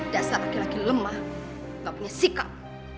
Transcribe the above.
dasar laki laki lemah gak punya sikap